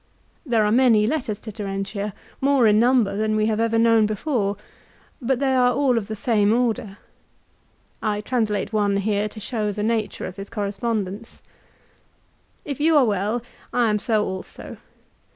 There are many letters to Terentia, more in number than we have ever known before, but they are all of the same order. I translate one here to show the nature of his correspondence. " If you are well, I am so also.